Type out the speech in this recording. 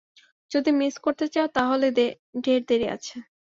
যদি মিস করতে চাও তা হলে ঢের দেরি আছে।